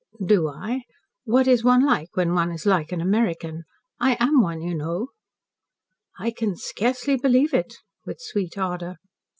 "Do I? What is one like when one is like an American? I am one, you know." "I can scarcely believe it," with sweet ardour.